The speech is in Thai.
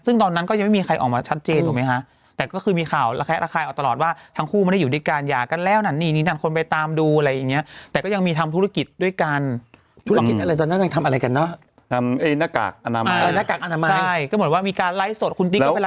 อืมก็เหมือนใครกับว่าดีละครกันอะไรอย่างนี้ซึ่งตอนนั้นก็ยังไม่มีใครออกมาชัดเจน